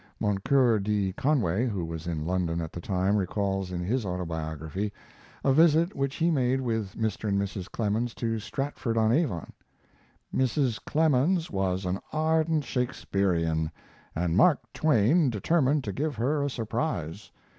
[Moncure D. Conway, who was in London at the time, recalls, in his Autobiography, a visit which he made with Mr. and Mrs. Clemens to Stratford on Avon. "Mrs. Clemens was an ardent Shakespearian, and Mark Twain determined to give her a surprise.